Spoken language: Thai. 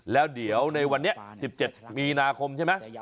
แล้วเดี๋ยวในวันนี้๑๗มีนาคมใช่ไหม